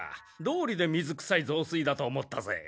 どうりで水くさい雑炊だと思ったぜ。